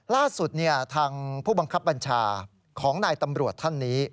ล่าสุดทางผู้บังคับบัญชาของนายตำรวจท่านนี้